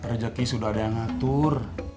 rejeki sudah ada yang ngatur